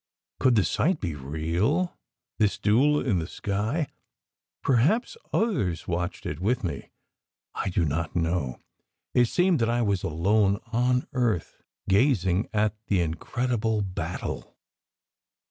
Could the sight be real, this duel in the sky? Perhaps others watched it with me I do not know. It seemed that I was alone on earth gazing at the incredible battle.